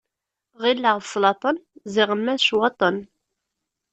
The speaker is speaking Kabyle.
Ɣileɣ d sslaṭen, ziɣemma d ccwaṭen.